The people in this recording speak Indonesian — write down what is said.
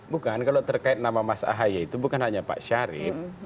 bukan kalau terkait nama mas ahaye itu bukan hanya pak syarif